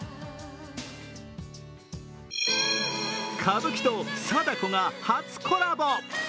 歌舞伎と貞子が初コラボ。